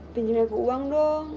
pinjamin aku uang dong